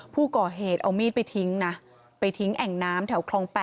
ผู้ก่อเหตุเอามีดไปทิ้งนะไปทิ้งแอ่งน้ำแถวคลอง๘